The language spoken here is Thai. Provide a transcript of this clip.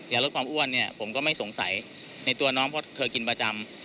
ลดความอ้วนเนี่ยผมก็ไม่สงสัยในตัวน้องเพราะเธอกินประจำ